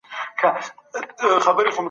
دنیا د کروندې ځای دی.